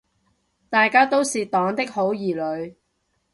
大家都是黨的好兒女